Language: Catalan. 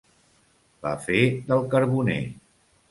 La fe del carboner.